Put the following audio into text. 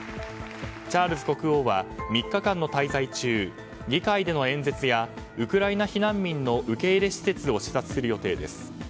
チャールズ国王は３日間の滞在中議会での演説やウクライナ避難民の受け入れ施設を視察する予定です。